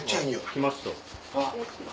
来ました。